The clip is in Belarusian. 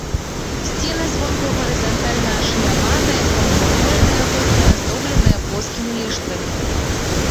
Сцены звонку гарызантальна ашаляваныя, прамавугольныя вокны аздобленыя плоскімі ліштвамі.